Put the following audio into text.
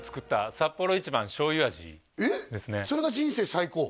それが人生最高？